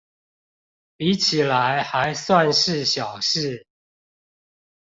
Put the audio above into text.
比起來還算是小事